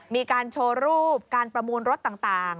มีการโชว์รูปการประมูลรถต่าง